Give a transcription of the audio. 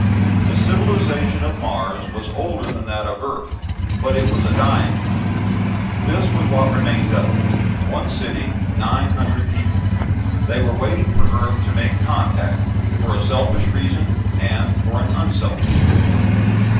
The civilization of Mars was older than that of Earth, but it was a dying one. This was what remained of it: one city, nine hundred people. They were waiting for Earth to make contact, for a selfish reason and for an unselfish one.